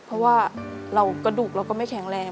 เพราะว่ากระดูกเราก็ไม่แข็งแรง